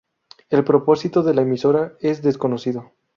El propósito de la emisora es desconocido.